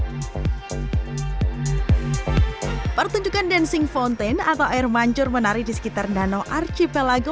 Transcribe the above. hai pertunjukan dancing fountain atau air mancur menari di sekitar danau archipelago